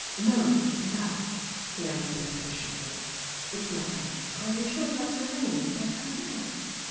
"No— no!" he answered, impatiently— "It's noth ing! Are you sure that's her name?— Diana May?"